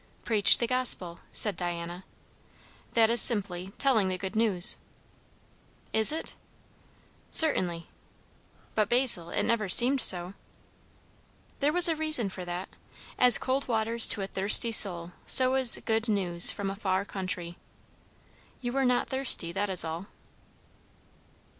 '" "'Preach the gospel'" said Diana. "That is simply, telling the good news." "Is it?" "Certainly." "But, Basil, it never seemed so." "There was a reason for that. 'As cold waters to a thirsty soul, so is good news from a far country.' You were not thirsty, that is all."